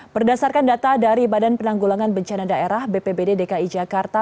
berdasarkan data dari badan penanggulangan bencana daerah bpbd dki jakarta